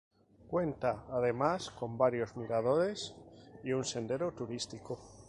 Cuenta además con varios miradores y un sendero turístico.